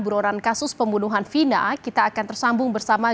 buronan kasus pembunuhan vina kita akan tersambung bersama